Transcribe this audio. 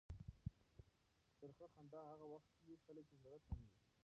ترخه خندا هغه وخت وي کله چې زړه تنګ وي.